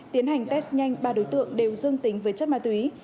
tiến hành test nhanh ba đối tượng đều dương tính với chất ma túy